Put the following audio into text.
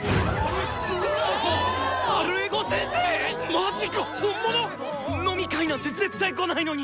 ⁉マジか⁉本物⁉飲み会なんて絶対来ないのに！